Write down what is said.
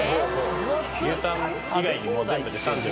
牛タン以外にも全部で。